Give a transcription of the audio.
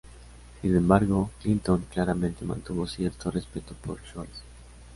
Sin embargo, Clinton claramente mantuvo cierto respeto por Shores.